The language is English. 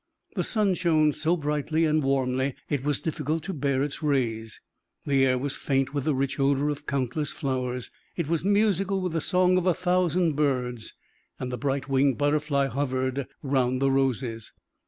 The sun shone so brightly and warmly it was difficult to bear its rays; the air was faint with the rich odor of countless flowers; it was musical with the song of a thousand birds; the bright winged butterfly hovered round the roses.